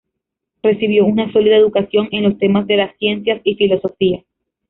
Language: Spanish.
Recibió una sólida educación en los temas de las ciencias y filosofía.